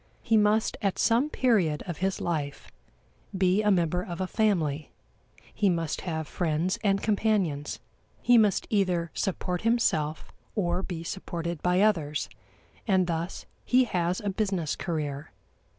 He must, at some period of his life, be a member of a family; he must have friends and companions; he must either support himself or be supported by others, and thus he has a business career.